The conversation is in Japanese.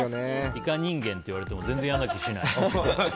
イカ人間って言われても全然嫌な気がしない。